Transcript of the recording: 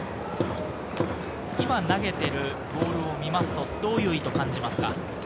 今投げているボールを見ますと、どういう意図を感じますか？